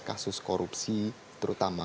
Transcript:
kasus korupsi terutama